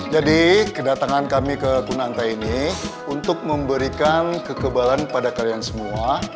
jadi kedatangan kami ke kunanta ini untuk memberikan kekebalan pada kalian semua